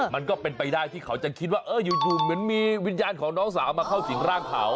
มันก็เป็นไปได้ที่เขาจะคิดว่าอยู่เหมือนมีวิญญาณของน้องสาวมาเข้าสิงร่างเขา